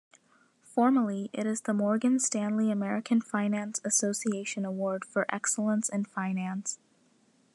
Formally it is the Morgan Stanley-American Finance Association Award for Excellence in Finance.